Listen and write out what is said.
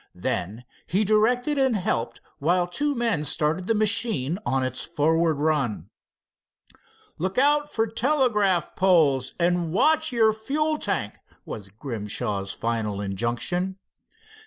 Then he directed and helped, while two field men started the machine on its forward run. "Look out for telegraph poles, and watch your fuel tank," was Grimshaw's final injunction.